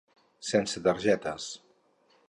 Sense targetes.